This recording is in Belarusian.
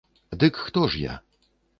Дык хто ж я?